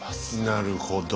なるほど。